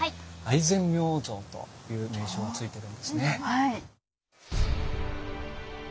「愛染明王像」という名称がついてるんですね。